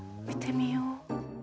見てみよう。